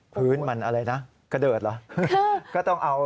พื้นมันอะไรนะกระเดิดเหรอ